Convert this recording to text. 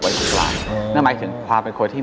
กลางนั่นหมายถึงความเป็นคนที่